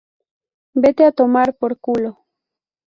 Vete a tomar por culo